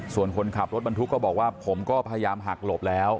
ส่วนคนขับรถบรรทุกก็บอกว่าผมก็พยายามหักหลบแล้ว